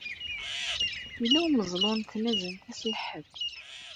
Yella umeẓlu n tnazent ass n lḥedd?